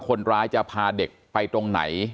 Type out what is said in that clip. คนร้ายจะพาเด็กไปตรงไหน